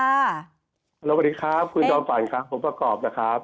สวัสดีครับคุณจอมฝันครับผมประกอบนะครับ